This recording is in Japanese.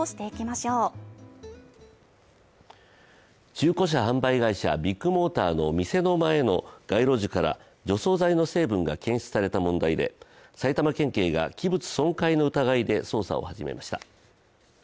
中古車販売会社、ビッグモーターの店の前の街路樹から除草剤の成分が検出された問題で埼玉県警が器物損壊の疑いで捜査を始めました。